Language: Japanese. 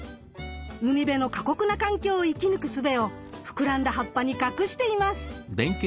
海辺の過酷な環境を生き抜くすべを膨らんだ葉っぱに隠しています。